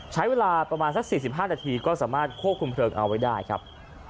ใช้เวลาประมาณสัก๔๕นาทีก็สามารถควบคุมเพลิงเอาไว้ได้ครับ